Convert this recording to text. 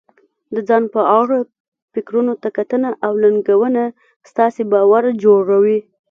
د ځان په اړه فکرونو ته کتنه او ننګونه ستاسې باور جوړوي.